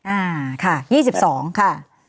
อ่าค่ะ๒๒ค่ะ